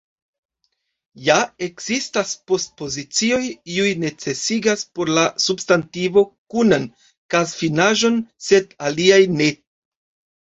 Ja ekzistas post-pozicioj; iuj necesigas por la substantivo kunan kazfinaĵon, sed aliaj ne.